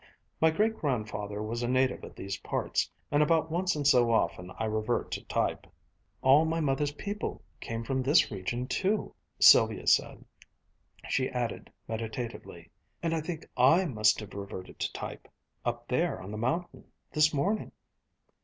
"My great grandfather was a native of these parts, and about once in so often I revert to type." "All my mother's people came from this region too," Sylvia said. She added meditatively, "And I think I must have reverted to type up there on the mountain, this morning."